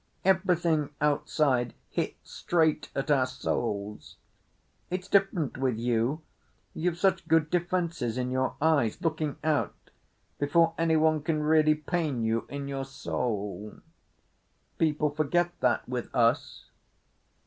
Everything outside hits straight at our souls. It's different with you. You've such good defences in your eyes—looking out—before anyone can really pain you in your soul. People forget that with us."